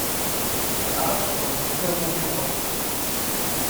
Die Art kommt in Peru vor.